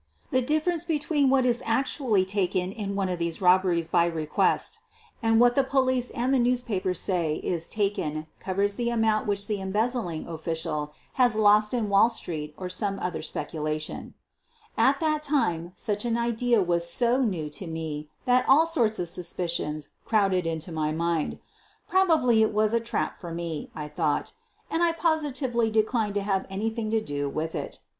The difference between what is actually WHAT HAPPENED WHEN WE ROBBED A BANK " BY REQUEST." QUEEN OF THE BURGLARS 129 taken in one of these robberies by request and what the police and the newspapers say is taken covers the amount which the embezzling official has lost in Wall Street or some other speculation. At that time such an idea was so new to me that all sorts of suspicions crowded into my mind. Prob ably it was a trap for me, I thought, and I posi tively declined to have anything to do with it.